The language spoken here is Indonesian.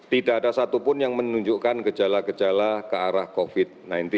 tidak ada satupun yang menunjukkan gejala gejala ke arah covid sembilan belas